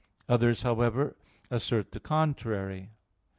Others, however, assert the contrary.